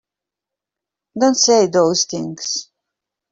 Don't say those things!